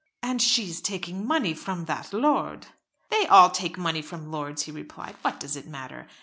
"And she is taking money from that lord." "They all take money from lords," he replied. "What does it matter?